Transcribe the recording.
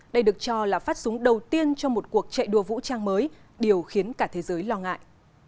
đây được cho là phát súng đầu tiên cho một cuộc chạy đua vũ trang mới điều khiến cả thế giới lo ngại